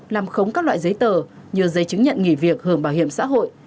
làm khống các loại giấy tờ như giấy chứng nhận nghỉ việc hưởng bảo hiểm xã hội